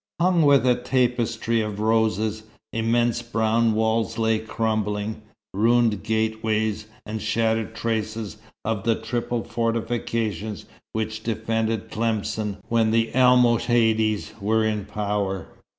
Hung with a tapestry of roses, immense brown walls lay crumbling ruined gateways, and shattered traces of the triple fortifications which defended Tlemcen when the Almohades were in power.